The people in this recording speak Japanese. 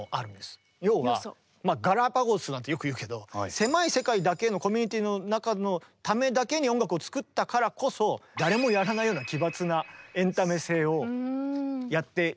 要はガラパゴスなんてよく言うけど狭い世界だけのコミュニティーの中のためだけに音楽を作ったからこそ誰もやらないような奇抜なエンタメ性をやっていってしまった。